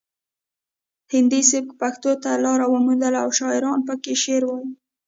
هندي سبک پښتو ته لار وموندله او شاعرانو پکې شعر وایه